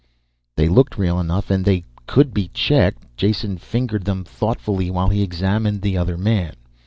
They looked real enough and they could be checked. Jason fingered them thoughtfully while he examined the other man.